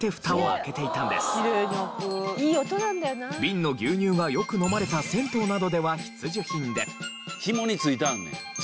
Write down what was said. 瓶の牛乳がよく飲まれた銭湯などでは必需品で。